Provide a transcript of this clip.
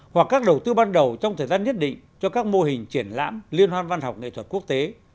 hoặc các đầu tư ban đầu trong thời gian nhất định cho các mô hình triển lãm liên hoan văn học nghệ thuật quốc tế